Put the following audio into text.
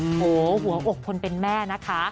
โหหัวอกคนเป็นแม่นะคะ